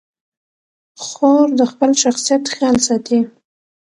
خور د خپل شخصیت خیال ساتي.